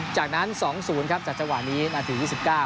จากนั้น๒๐ครับจากจังหวะนี้นาที๒๙